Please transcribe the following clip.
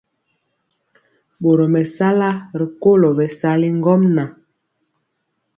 Boro mesala rikolo bɛsali ŋgomnaŋ.